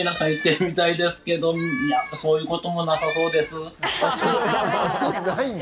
そういうこともなさそうです。